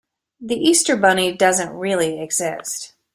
The Easter Bunny doesn’t really exist.